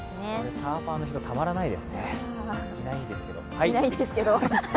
サーファーの人、たまらないですね、いないですけど。